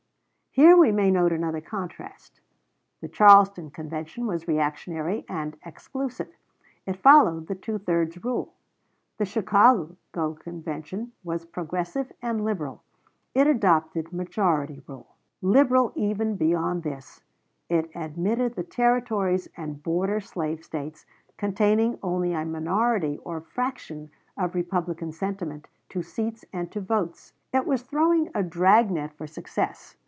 Here we may note another contrast. The Charleston Convention was reactionary and exclusive; it followed the two thirds rule. The Chicago Convention was progressive and liberal; it adopted majority rule. Liberal even beyond this, it admitted the Territories and border slave States, containing only a minority or fraction of Republican sentiment, to seats and to votes. It was throwing a drag net for success.